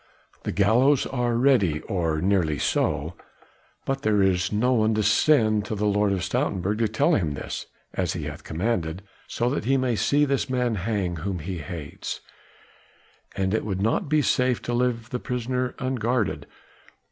The gallows are ready or nearly so, but there is no one to send to the Lord of Stoutenburg to tell him this as he hath commanded so that he may see this man hang whom he hates. And it would not be safe to leave the prisoner unguarded.